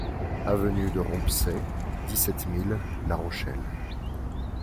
Avenue DE ROMPSAY, dix-sept mille La Rochelle